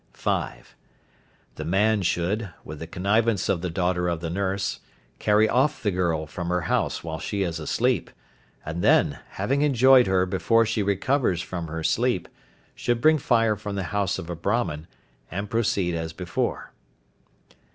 (5.) The man should, with the connivance of the daughter of the nurse, carry off the girl from her house while she is asleep, and then, having enjoyed her before she recovers from her sleep, should bring fire from the house of a Brahman, and proceed as before.